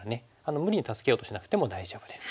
無理に助けようとしなくても大丈夫です。